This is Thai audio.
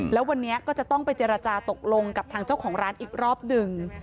แล้ววันนี้ก็จะต้องไปเจรจาตกลงกับทางเจ้าของร้านอีกรอบหนึ่ง